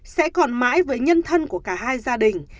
sẽ còn mãi với nhân thân của cả hai gia đình